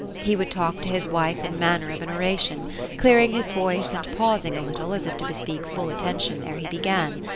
He would talk to his wife in manner of an oration ; clearing his voice, and pausing a little, as if to bespeak full attention ere be began.